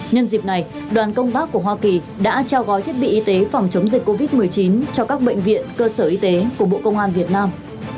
nhân dịp này đoàn công tác của hoa kỳ đã trao gói thiết bị y tế phòng chống dịch covid một mươi chín cho các bệnh viện cơ sở y tế của bộ công an việt nam